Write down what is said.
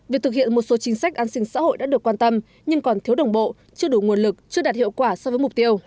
việc thực hiện một số chính sách an sinh xã hội đã được quan tâm nhưng còn thiếu đồng bộ chưa đủ nguồn lực chưa đạt hiệu quả so với mục tiêu